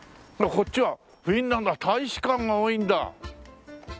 こっちはフィンランド大使館が多いんだ。